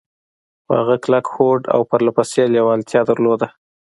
خو هغه کلک هوډ او پرله پسې لېوالتيا درلوده.